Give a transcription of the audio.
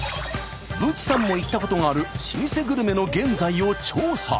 ブチさんも行ったことがある老舗グルメの現在を調査！